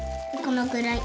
このくらい。